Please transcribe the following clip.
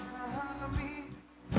sejujurnya stuk dariicles